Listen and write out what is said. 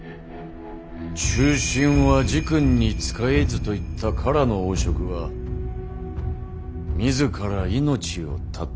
「忠臣は二君に仕えず」と言った唐の王燭は自ら命を絶った。